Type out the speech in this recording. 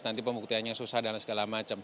nanti pembuktiannya susah dan segala macam